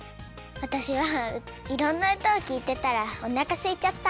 わたしはいろんなうたをきいてたらおなかすいちゃった。